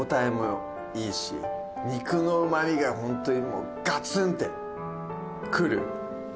肉のうまみがホントにもうガツンってくる。